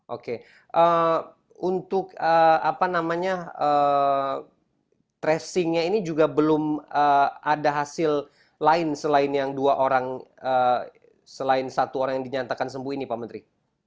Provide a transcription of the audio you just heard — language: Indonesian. oke untuk apa namanya tracingnya ini juga belum ada hasil lain selain yang dua orang selain satu orang yang dinyatakan sembuh ini pak menteri